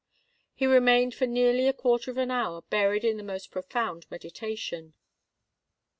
He remained for nearly a quarter of an hour buried in the most profound meditation.